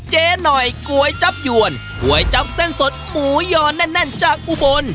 เจ๊หน่อยก๋วยจับยวนก๋วยจับเส้นสดหมูยอแน่นจากอุบล